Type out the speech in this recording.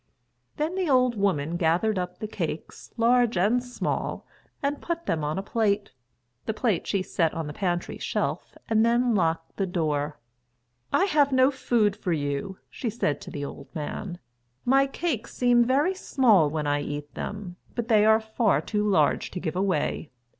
Then the old woman gathered up the cakes, large and small, and put them on a plate. The plate she set on the pantry shelf and then locked the door. "I have no food for you," she said to the old man. "My cakes seem very small when I eat them, but they are far too large to give away.